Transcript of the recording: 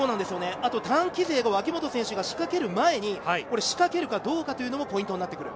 単騎勢が脇本選手が仕掛ける前に仕掛けるかどうかというのもポイントです。